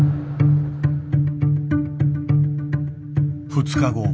２日後。